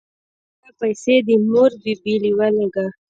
واله دا پيسې دې مور بي بي له ولېږه.